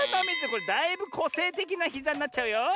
これだいぶこせいてきなひざになっちゃうよ。